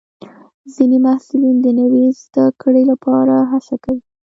ځینې محصلین د نوي زده کړې لپاره هڅه کوي.